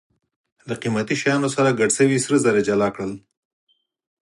له قیمتي شیانو سره ګډ شوي سره زر یې جلا کړل.